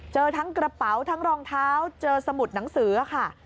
เจอทั้งกระเป๋าทั้งรองเท้าเจอสมุดหนังสือค่ะ